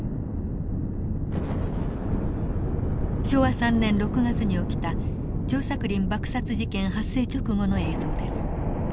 昭和３年６月に起きた張作霖爆殺事件発生直後の映像です。